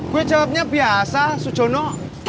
gue jawabnya biasa sujono